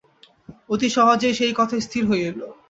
অতি সহজেই সেই কথা স্থির হইল।